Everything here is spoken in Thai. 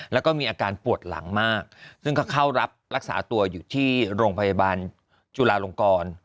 แล้วก็มีอาการปวดหลังมากซึ่งก็เข้ารับรักษาตัวอยู่ที่โรงพยาบาลจุลาลงกร